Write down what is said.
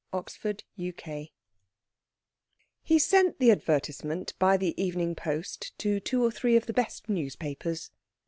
CHAPTER X He sent the advertisement by the evening post to two or three of the best newspapers.